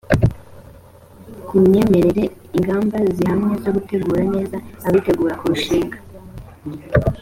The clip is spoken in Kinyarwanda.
ku myemerere ingamba zihamye zo gutegura neza abitegura kurushing